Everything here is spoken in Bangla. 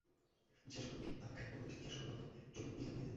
সে শতরঞ্চ খেলে, তামাক খায় ও প্রতিবেশীদিগকে স্বর্গনরকের জমি বিলি করিয়া দেয়।